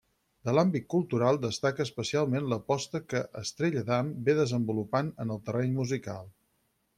De l'àmbit cultural destaca especialment l'aposta que Estrella Damm ve desenvolupant en el terreny musical.